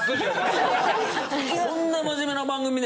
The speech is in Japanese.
こんな真面目な番組で「あまい！！」